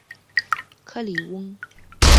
克里翁。